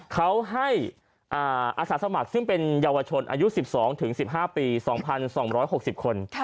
เขาให้อาสาสมัครซึ่งเป็นเยาวชนอายุ๑๒๑๕ปี๒๒๖๐คน